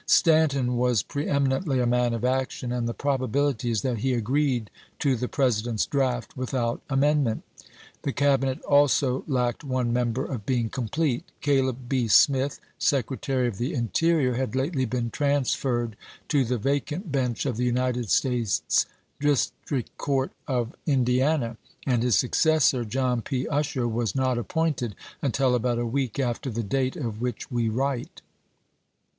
Stanton was preeminently a man of action, and the probability is that he agreed to the President's draft without amendment. The Cabinet also lacked one member of being complete. Caleb B. Smith, Secretary of the Interior, had lately been transferred to the va cant bench of the United States District Court of Chase to Lincoln, Dec. 31, 1862. MS. THE EDICT OF FREEDOM 419 Indiana, and his successor, John P. Usher, was chap.xix. not appointed until about a week after the date of which we write.